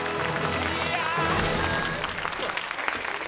いや。